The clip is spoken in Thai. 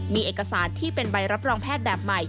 มีเอกสารที่เป็นใบรับรองแพทย์แบบใหม่